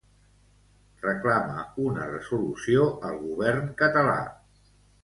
Reclama una resolució al govern català.